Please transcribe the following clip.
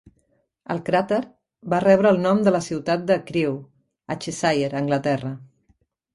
El cràter va rebre el nom de la ciutat de Crewe, a Cheshire, Anglaterra.